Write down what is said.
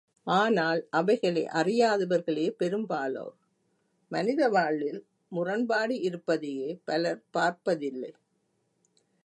ஆனால் அவைகளை அறியாதவர்களே பெரும்பாலோர், மனித வாழ்வில் முரண்பாடு இருப்பதையே பலர் பார்ப்பதிலை.